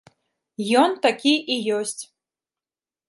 Ён такі і ёсць.